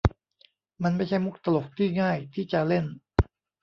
มันไม่ใช่มุกตลกที่ง่ายที่จะเล่น